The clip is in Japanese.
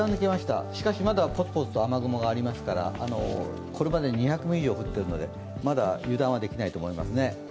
しかしまだポツポツと雨雲がありますからこれまでに２００ミリ以上降っているので、まだ油断はできないと思います。